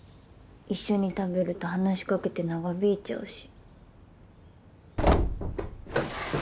一緒に食べると話し掛けて長引いちゃうし。